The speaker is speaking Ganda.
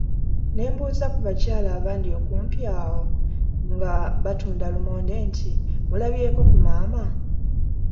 Ne mbuuza ku bakyala abandi okumpi awo nga batunda lumonde nti, mulabyeko ku maama?